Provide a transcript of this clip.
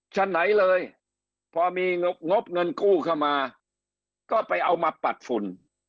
ฉะไหนเลยพอมีงบเงินกู้เข้ามาก็ไปเอามาปัดฝุ่น